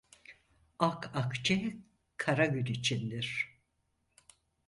Ak akçe kara gün içindir.